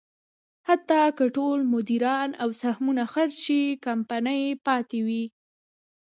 حتی که ټول مدیران او سهمونه خرڅ شي، کمپنۍ پاتې وي.